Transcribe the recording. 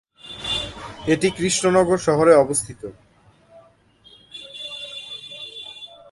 এটি কৃষ্ণনগর শহরে অবস্থিত।